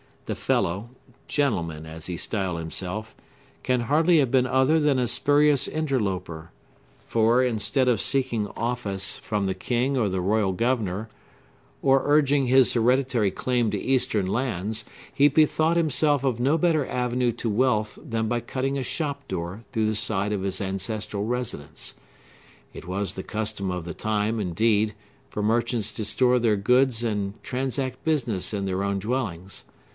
The fellow (gentleman, as he styled himself) can hardly have been other than a spurious interloper; for, instead of seeking office from the king or the royal governor, or urging his hereditary claim to Eastern lands, he bethought himself of no better avenue to wealth than by cutting a shop door through the side of his ancestral residence. It was the custom of the time, indeed, for merchants to store their goods and transact business in their own dwellings.